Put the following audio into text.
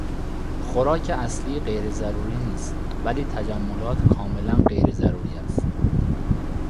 خوراک اصلی غیرضروری نیست ولی تجملات کاملا غیر ضروری است.